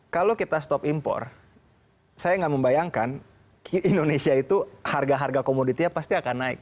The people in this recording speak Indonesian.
kalau kita stop impor saya nggak membayangkan indonesia itu harga harga komoditinya pasti akan naik